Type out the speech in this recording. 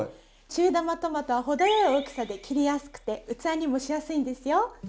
中玉トマトは程よい大きさで切りやすくて器にもしやすいんですよ。